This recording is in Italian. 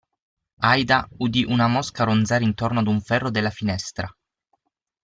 Aida udì una mosca ronzare intorno ad un ferro della finestra.